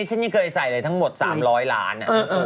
ฉันยังเคยใส่เลยทั้งหมด๓๐๐ล้าน